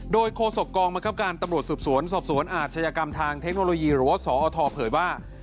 โดยโฆษกองบังคับการตำรวจสืบสวนสอบสวนอาชญากรรมทางเทคโนโลยีหรือว่าสอทเผยว่า